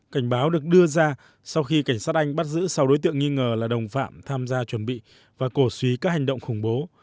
cảnh báo được đưa ra sau khi cảnh sát anh bắt giữ sau đối tượng nghi ngờ là đồng phạm tham gia chuẩn bị và cổ suý các hành động khủng bố